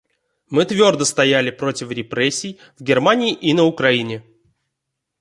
Мы твердо стояли против репрессий в Германии и на Украине.